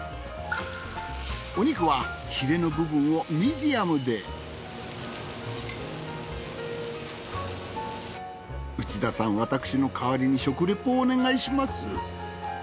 お肉はフィレの部分をミディアムで内田さん私の代わりに食リポをお願いします